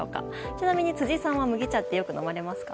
ちなみに辻さんは麦茶ってよく飲まれますか？